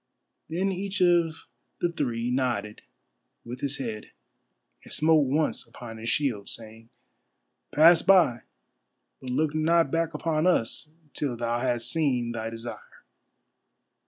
Then each of the three nodded with his head, and smote once upon his shield, saying: "Pass by, but look not back upon us, till thou hast seen thy desire."